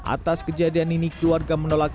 atas kejadian ini keluarga menolak